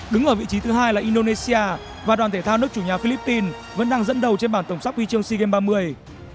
đứng ở vị trí thứ hai là indonesia và đoàn thể thao nước chủ nhà philippines vẫn đang dẫn đầu trên bản tổng sắp huy chương sea games ba mươi